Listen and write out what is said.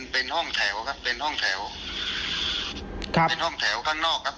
เป็นห้องแถวครับเป็นห้องแถวครับเป็นห้องแถวข้างนอกครับ